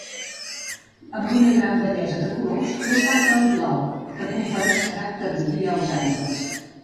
Amb una gran bellesa de colors, destaca el blau que confereix caràcter diví als àngels.